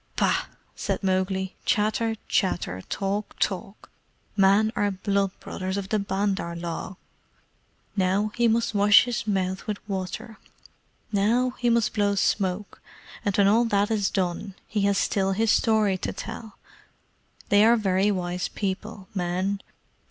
"Bah!" said Mowgli. "Chatter chatter! Talk, talk! Men are blood brothers of the Bandar log. Now he must wash his mouth with water; now he must blow smoke; and when all that is done he has still his story to tell. They are very wise people men.